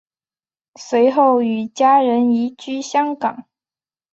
随后与家人移居香港。